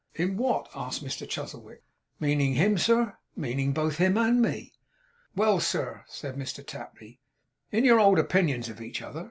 'In what?' asked Mr Chuzzlewit. 'Meaning him, sir?' 'Meaning both him and me.' 'Well, sir,' said Mr Tapley. 'In your old opinions of each other.